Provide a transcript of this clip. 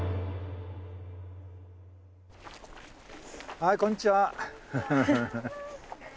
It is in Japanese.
はいこんにちは。